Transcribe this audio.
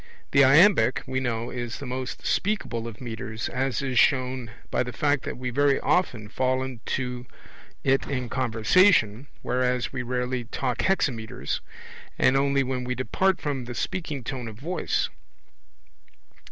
The iambic, we know, is the most speakable of metres, as is shown by the fact that we very often fall into it in conversation, whereas we rarely talk hexameters, and only when we depart from the speaking tone of voice.